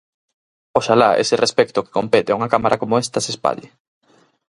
Oxalá ese respecto que compete a unha cámara como esta se espalle.